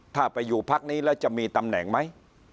ถ้าไปอยู่พักนี้แล้วจะมีตำแหน่งไหม